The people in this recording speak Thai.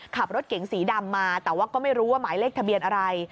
ขับรถเก๋งสีดำมาแต่ว่าก็ไม่รู้ว่าหมายเลขทะเบียนอะไร